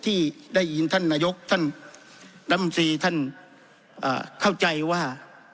ที่ได้ยินท่านนายกท่านดำซีท่านเอ่อเข้าใจว่า